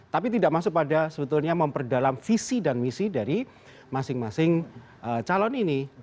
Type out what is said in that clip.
tapi tidak masuk pada sebetulnya memperdalam visi dan misi dari masing masing calon ini